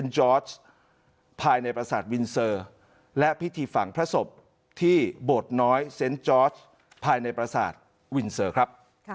จอร์จภายในประศาจวินเซอร์ครับ